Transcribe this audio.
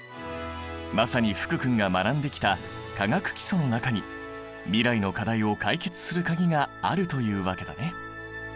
まさに福君が学んできた「化学基礎」の中に未来の課題を解決する鍵があるというわけだね。